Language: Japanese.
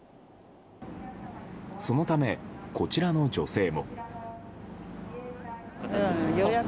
そのため、こちらの女性も。